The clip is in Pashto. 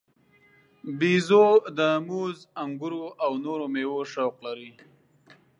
بیزو د موز، انګورو او نورو میوو شوق لري.